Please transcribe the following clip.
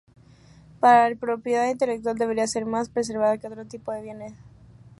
para él la propiedad intelectual debería ser más preservada que otro tipo de bienes